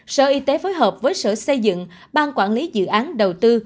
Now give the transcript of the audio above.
sở y tế phối hợp với sở xây dựng ban quản lý dự án đầu tư